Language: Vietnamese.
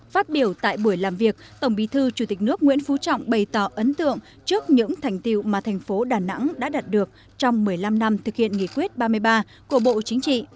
phát biểu tại buổi làm việc tổng bí thư chủ tịch nước nguyễn phú trọng bày tỏ ấn tượng trước những thành tiệu mà thành phố đà nẵng đã đạt được trong một mươi năm năm thực hiện nghị quyết ba mươi ba của bộ chính trị